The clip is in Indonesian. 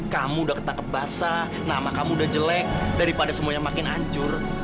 kamu udah ketangkep basah nama kamu udah jelek daripada semuanya makin hancur